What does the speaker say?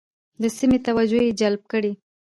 د سیمې توجه یې جلب کړه.